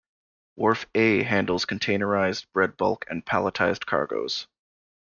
Wharf "A" handles containerized, breakbulk, and palletized cargoes.